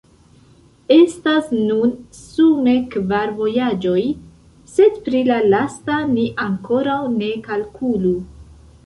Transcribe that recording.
Estas nun sume kvar vojaĝoj, sed pri la lasta ni ankoraŭ ne kalkulu.